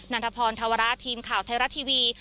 ันทพรธวระทีมข่าวไทยรัฐทีวี